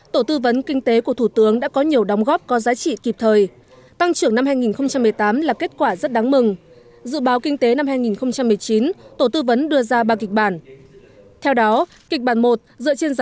tổ tư vấn kinh tế của thủ tướng nguyễn xuân phúc